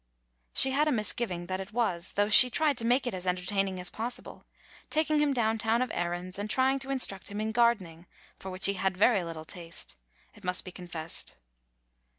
She had a misgiving that it was, though she tried to make it as entertaining as possible, taking him down town of errands, and trying to instruct him in gardening, for which he had very little taste, it must be confessed.